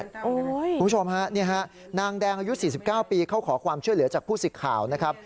คุณผู้ชมฮะนี่ฮะนางแดงอายุ๔๙ปีเขาขอความช่วยเหลือจากผู้สิทธิ์ข่าวนะครับ